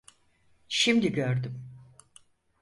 Şimdi gördüm.